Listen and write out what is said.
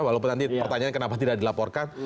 walaupun nanti pertanyaannya kenapa tidak dilaporkan